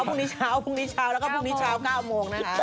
พรุ่งนี้เช้าแล้วก็พรุ่งนี้เช้า๙โมงนะฮะ